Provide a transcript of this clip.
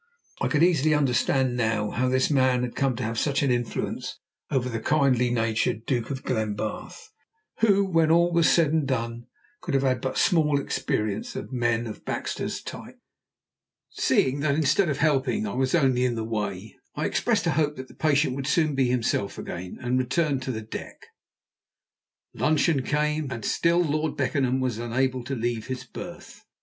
I could easily understand now how this man had come to have such an influence over the kindly natured Duke of Glenbarth, who, when all was said and done, could have had but small experience of men of Baxter's type. Seeing that, instead of helping, I was only in the way, I expressed a hope that the patient would soon be himself again, and returned to the deck. Luncheon came, and still Lord Beckenham was unable to leave his berth.